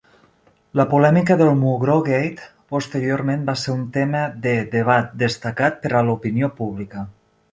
La polèmica del "Mugrógate" posterior va ser un tema de debat destacat per a l'opinió pública.